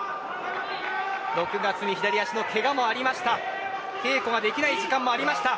６月に左足のけがもありました。